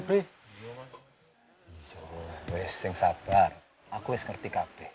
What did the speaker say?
beres yang sabar aku is ngerti